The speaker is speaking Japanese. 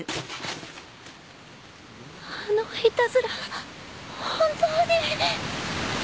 あのいたずら本当に？